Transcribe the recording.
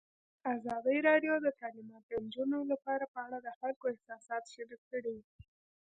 ازادي راډیو د تعلیمات د نجونو لپاره په اړه د خلکو احساسات شریک کړي.